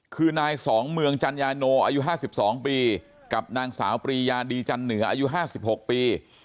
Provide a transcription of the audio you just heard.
คือนายสองเมืองจันยานโนอายุห้าสิบสองปีกับนางสาวปรียาดีจันเหนืออายุห้าสิบหกปี